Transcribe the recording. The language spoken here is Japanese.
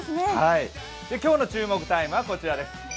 今日の注目タイムはこちらです。